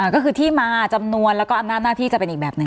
ก็คือที่มาจำนวนแล้วก็อำนาจหน้าที่จะเป็นอีกแบบหนึ่ง